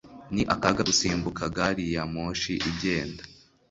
Ni akaga gusimbuka gari ya moshi igenda.